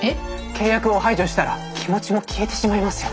契約を排除したら気持ちも消えてしまいますよ。